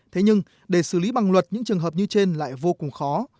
thế nhưng để xử lý bằng luật những trường hợp như trên lại vô cùng khó